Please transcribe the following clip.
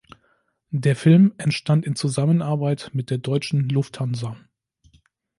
Der Film entstand in Zusammenarbeit mit der deutschen Lufthansa.